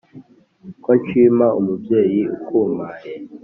ko nshima umubyeyi ukumpaye